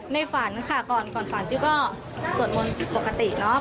ในฝากนั้นค่ะก่อนฝากจิ๊กก็ส่วนมนต์ปกติ